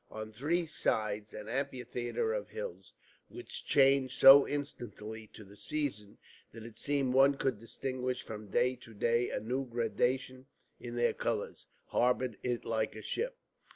On three sides an amphitheatre of hills, which changed so instantly to the season that it seemed one could distinguish from day to day a new gradation in their colours, harboured it like a ship.